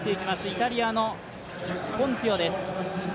イタリアのポンツィオです。